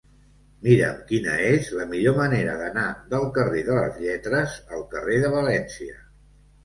Mira'm quina és la millor manera d'anar del carrer de les Lletres al carrer de València.